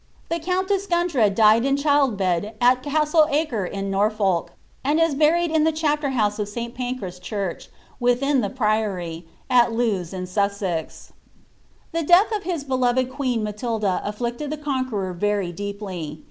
"H* counless Gundred died in chUd bed ai Casdeacre in Norfolk, anil i* buried in the chapter house of Si. Paneras church, within the priocyt*t Lewes in Sussex.* The death of his beloved queen Matilda afHicted ihe Conqueror very deeply.